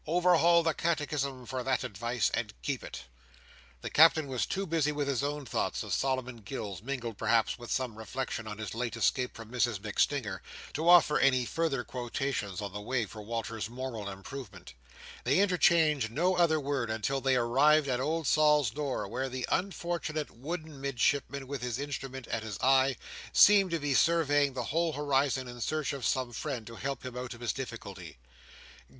Overhaul the catechism for that advice, and keep it!" The Captain was too busy with his own thoughts of Solomon Gills, mingled perhaps with some reflections on his late escape from Mrs MacStinger, to offer any further quotations on the way for Walter's moral improvement They interchanged no other word until they arrived at old Sol's door, where the unfortunate wooden Midshipman, with his instrument at his eye, seemed to be surveying the whole horizon in search of some friend to help him out of his difficulty.